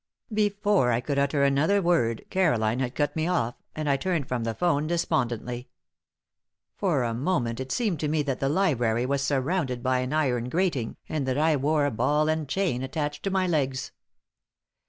Before I could utter another word, Caroline had cut me off, and I turned from the 'phone, despondently. For a moment, it seemed to me that the library was surrounded by an iron grating and that I wore a ball and chain attached to my legs.